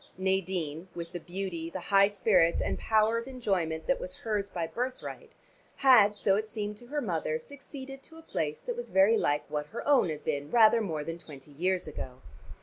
Nadine, with the beauty, the high spirits and power of enjoyment that was hers by birthright, had so it seemed to her mother succeeded to a place that was very like what her own had been rather more than twenty years ago.